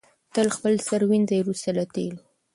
تل خپل سر ووینځئ وروسته له تېلو.